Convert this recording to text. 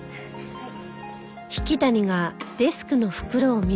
はい。